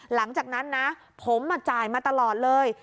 หลังจากนั้นนะผมจ่ายมาตลอดเลย